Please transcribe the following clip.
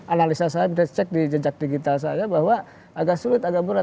analisa saya bisa cek di jejak digital saya bahwa agak sulit agak berat